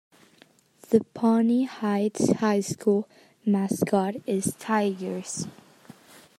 The Pawnee Heights High School mascot is Tigers.